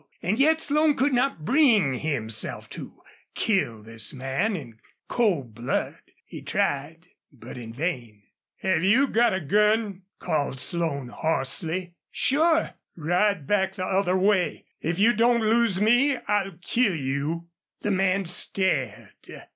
And yet Slone could not bring himself to kill this man in cold blood. He tried, but in vain. "Have you got a gun?" called Slone, hoarsely. "Sure." "Ride back the other way! ... If you don't lose me I'll kill you!" The man stared.